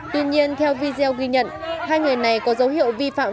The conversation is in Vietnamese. tuy nhiên theo video ghi nhận hai người này có dấu hiệu vi phạm